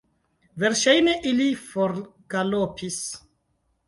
Verŝajne, ili forgalopis!